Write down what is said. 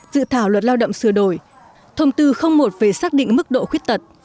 dự thảo luật lao động sửa đổi thông tư một về xác định mức độ khuyết tật